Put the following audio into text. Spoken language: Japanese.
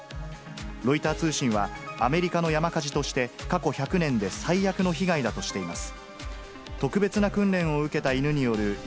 ロイター通信は、アメリカの山火事として、過去１００年で最悪の被害だとしています。